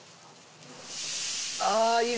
ああいい